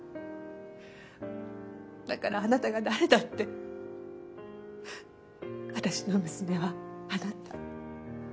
だからあなたが誰だって私の娘はあなた。